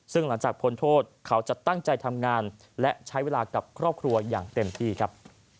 ซึ่งหลังจากพ้นโทษเขาจะตั้งใจทำงานและใช้เวลากับครอบครัวอย่างเต็มที่ครับ